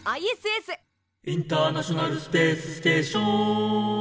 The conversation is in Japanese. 「インターナショナルスペースステーショーーン」